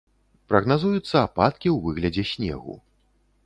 Прагназуюцца ападкі ў выглядзе снегу.